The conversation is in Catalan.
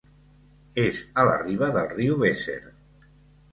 És a la riba del riu Weser.